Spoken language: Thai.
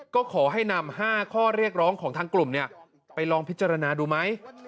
ก็ขอให้นำ๕ข้อเรียกร้องของทางกลุ่มไปลองพิจารณาดูไหม